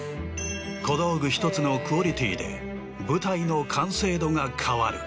小道具１つのクオリティーで舞台の完成度が変わる。